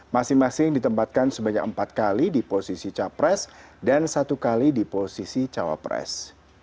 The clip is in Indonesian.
masing masing ditempatkan sebanyak empat kali di posisi capres dan satu kali di posisi cawapres